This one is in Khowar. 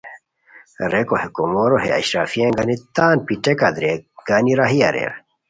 ریکو ہے کُومورو ہے اشرفیان گانی تان پیٹیکہ درے گانی راہی اریر